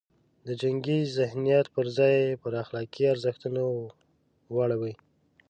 د جنګي ذهنیت پر ځای یې پر اخلاقي ارزښتونو واړوي.